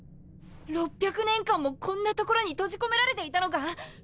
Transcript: ６００年間もこんな所に閉じ込められていたのか？